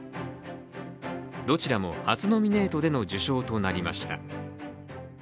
どちらも初ノミネートでの受賞となりました。